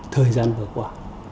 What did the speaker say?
thời gian vừa qua